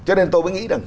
cho nên tôi mới nghĩ rằng